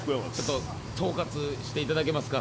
統括していただけますか？